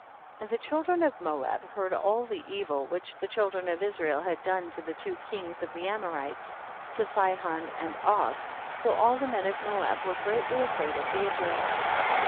34. And the children of Moab heard all the evil which the children of Israel had done to the two kings of the Amorites, to Sihon and Og, so all the men of Moab were greatly afraid of the Israelites.